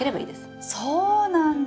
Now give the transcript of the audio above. そうなんだ！